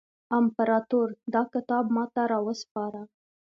امپراطور دا کتاب ماته را وسپاره.